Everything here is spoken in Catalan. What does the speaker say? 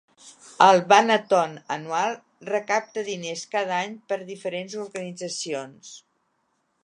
El Band-a-Thon anual recapta diners cada any per a diferents organitzacions.